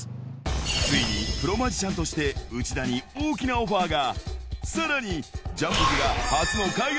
ついにプロマジシャンとして内田に大きなオファーが。